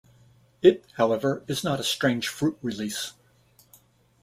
It however is not a Strange Fruit release.